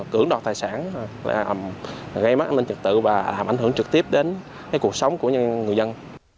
cưỡng đoạt tài sản gây mất an ninh trật tự và làm ảnh hưởng trực tiếp đến cuộc sống của người dân